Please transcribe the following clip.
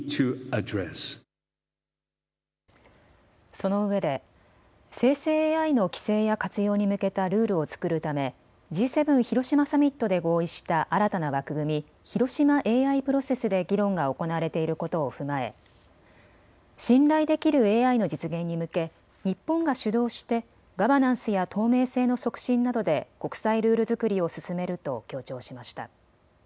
そのうえで生成ＡＩの規制や活用に向けたルールを作るためＧ７広島サミットで合意した新たな枠組み広島ＡＩプロセスで議論が行われていることを踏まえ信頼できるＡＩの実現に向け日本が主導してガバナンスや透明性の促進などで国際ルール作りを進めると強調しました。